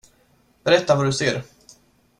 Berätta vad du ser.